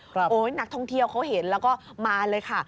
โอ๊ยนักท่องเที่ยวเขาเห็นแล้วก็มาเลยค่ะ